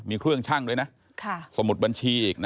มีเครื่องชั่งด้วยนะสมุดบัญชีอีก